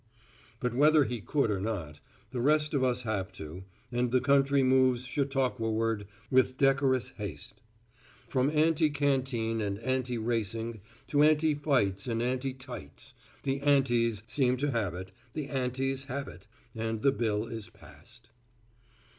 But whether he could or not, the rest of us have to, and the country moves Chautauqua ward with decorous haste. From anti canteen and anti racing to anti fights and anti tights, the aunties seem to have it, the aunties have it, and the bill is passed.